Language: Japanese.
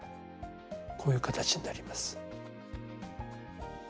こういう形になります。